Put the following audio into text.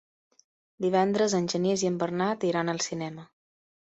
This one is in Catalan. Divendres en Genís i en Bernat iran al cinema.